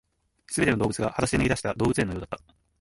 全ての動物が裸足で逃げ出した動物園のようだった